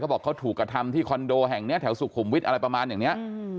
บอกเขาถูกกระทำที่คอนโดแห่งนี้แถวสุขุมวิทย์อะไรประมาณอย่างนี้